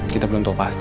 kita belum tahu pasti